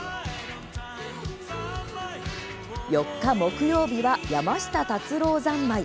４日、木曜日は「“山下達郎”三昧」。